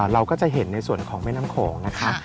เราก็จะเห็นในส่วนของแม่น้ำโขงนะคะ